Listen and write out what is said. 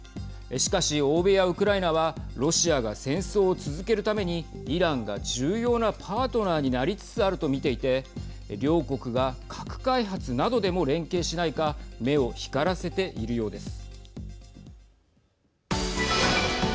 しかし欧米やウクライナはロシアが戦争を続けるためにイランが重要なパートナーになりつつあると見ていて両国が核開発などでも連携しないか目を光らせているようです。